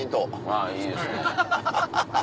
あぁいいですね。